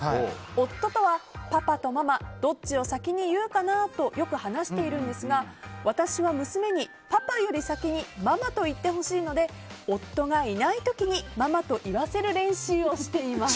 夫とは、パパとママどっちを先に言うかなとよく話しているんですが私は娘にパパより先にママと言ってほしいので夫がいない時にママと言わせる練習をしています。